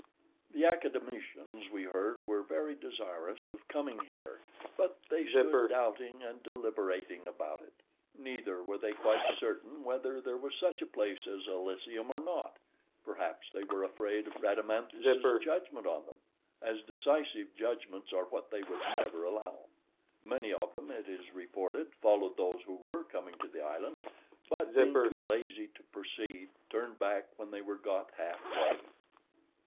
The Academicians, we heard, were very desirous of coming here, but they stood doubting and deliberating about it, neither were they quite certain whether there was such a place as Elysium or not; perhaps they were afraid of Rhadamanthus's judgment {124b} on them, as decisive judgments are what they would never allow. Many of them, it is reported, followed those who were coming to the island, but being too lazy to proceed, turned back when they were got half way.